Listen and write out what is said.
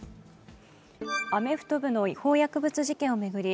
アメフト部の違法薬物事件を巡り